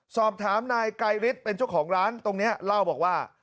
สอบถามนายไกรฤทธิ์เป็นเจ้าของร้านตรงนี้เล่าบอกว่า